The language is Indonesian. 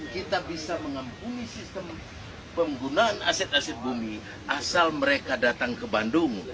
kita bisa mengampuni sistem penggunaan aset aset bumi asal mereka datang ke bandung